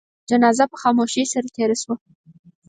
جنازه په خاموشی سره تېره شوه.